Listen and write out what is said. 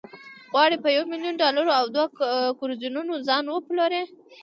غواړي په یو میلیون ډالرو او دوه کروزینګونو ځان وپلوري.